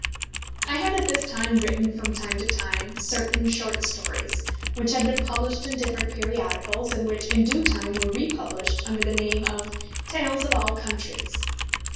I had at this time written from time to time certain short stories, which had been published in different periodicals, and which in due time were republished under the name of Tales of All Countries.